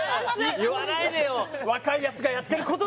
言わないでよ